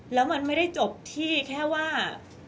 แล้วมันไม่ได้จบที่แค่ว่า